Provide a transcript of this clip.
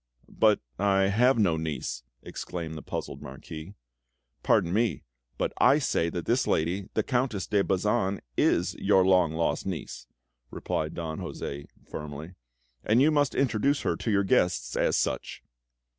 "But I have no niece," exclaimed the puzzled Marquis. "Pardon me, but I say that this lady, the Countess de Bazan, is your long lost niece!" repeated Don José firmly. "And you must introduce her to your guests as such!"